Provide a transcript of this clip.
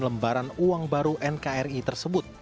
lembaran uang baru nkri tersebut